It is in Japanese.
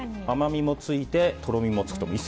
甘みもついて、とろみもつくと。